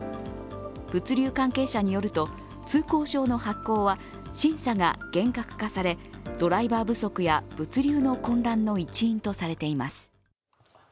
物流関係者によると、通行証の発行は審査が厳格化されドライバー不足や物流の混乱の一因とされています。